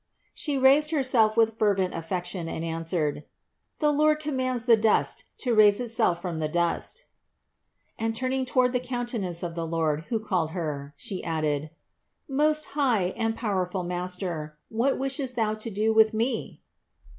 She raised Herself with fervent affection and answered : 'The Lord commands the dust to raise itself from the dust." And turning toward the countenance of the Lord, who called Her, She added: "Most high and powerful Master, what wishest Thou to do with me?"